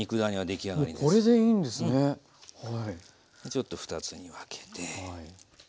ちょっと２つに分けて。